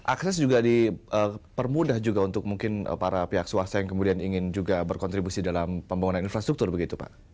akses juga dipermudah juga untuk mungkin para pihak swasta yang kemudian ingin juga berkontribusi dalam pembangunan infrastruktur begitu pak